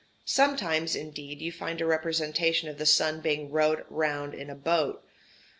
Sometimes, indeed, you find a representation of the sun being rowed round in a boat.